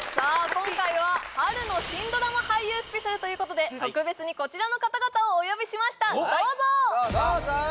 今回は春の新ドラマ俳優スペシャルということで特別にこちらの方々をお呼びしましたどうぞ！